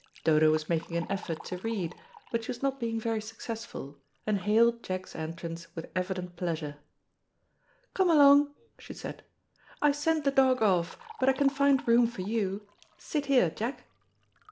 Dodo was making an effort to read, but she was not being very successful, and hailed Jack's entrance with evident pleasure. "Come along," she said; "I sent the dog off, but I can find room for you. Sit here, Jack."